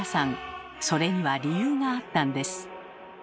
それには理由があったんです。